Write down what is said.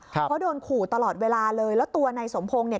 เพราะโดนขู่ตลอดเวลาเลยแล้วตัวนายสมพงศ์เนี่ย